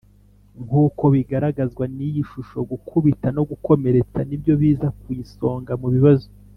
Nk uko bigaragazwa n iyi shusho gukubita no gukomeretsa nibyo biza ku isonga mu bibazo